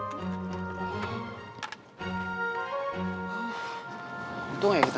kau benceng kau menangis di playland istri khandi diputihkan